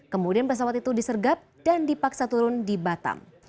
kemudian pesawat itu disergap dan dipaksa turun di batam